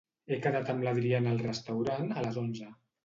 He quedat amb l'Adriana al restaurant a les onze.